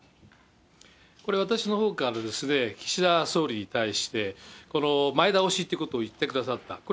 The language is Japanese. これ、私のほうから岸田総理に対して、この前倒しということを言ってくださった。